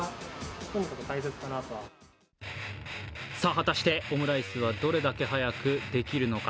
果たしてオムライスはどれだけ早くできるのか。